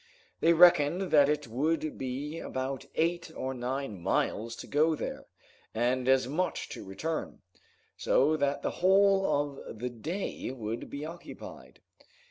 They reckoned that it would be about eight or nine miles to go there, and as much to return, so that the whole of the day would be occupied.